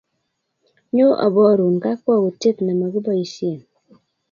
Nyoo aboru kakwoutiet ne mokeboisien